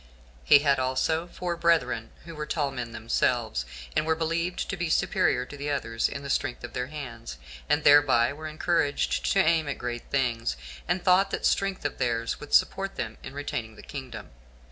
He had also four brethren, who were tall men themselves, and were believed to be superior to others in the strength of their hands, and thereby were encouraged to aim at great things, and thought that strength of theirs would support them in retaining the kingdom.